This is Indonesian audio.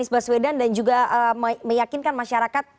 bagaimana kemudian nasdem mengubah sweden dan juga meyakinkan masyarakat